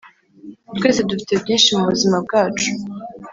twese dufite byinshi mubuzima bwacu